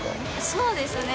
そうですね。